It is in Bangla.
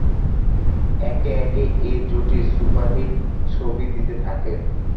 একে একে এ জুটি সুপারহিট ছবি দিতে থাকেন।